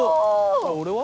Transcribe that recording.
俺は？